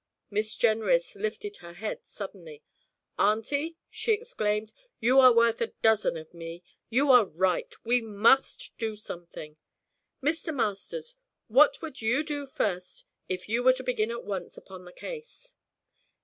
Miss Jenrys lifted her head suddenly. 'Auntie,' she exclaimed, 'you are worth a dozen of me! You are right! We must do something. Mr. Masters, what would you do first if you were to begin at once upon the case?'